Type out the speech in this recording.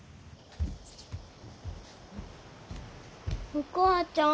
お母ちゃん。